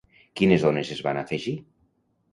Quines zones es van afegir?